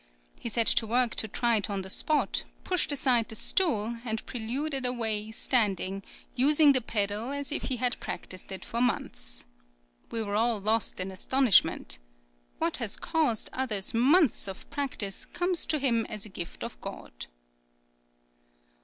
He set to work to try it on the spot; pushed aside the stool, and preluded away standing, using the pedal as if he had practised it for months. We were all lost in astonishment. What has caused others months of practice comes to him as a gift of God."